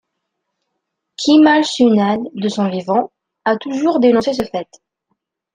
Kemal Sunal, de son vivant, a toujours dénoncé ce fait.